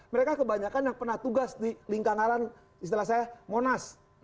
mereka kebanyakan yang pernah tugas di lingkaran istilah saya monas